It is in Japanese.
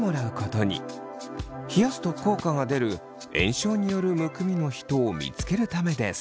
冷やすと効果が出る炎症によるむくみの人を見つけるためです。